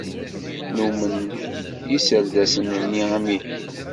Nnumen yiserdasen-nni amihi.